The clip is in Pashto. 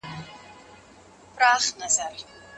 زما به پر قبر واښه وچ وي زه به تللی یمه